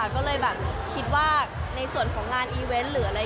ก็เลยคิดว่าในส่วนของงานอีเวนต์